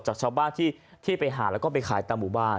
จากชาวบ้านที่ไปหาแล้วก็ไปขายตามหมู่บ้าน